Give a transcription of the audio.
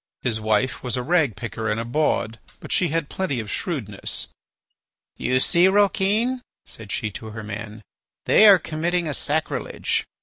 His wife was a ragpicker and a bawd, but she had plenty of shrewdness. "You see, Rouquin," said she to her man, "they are committing a sacrilege.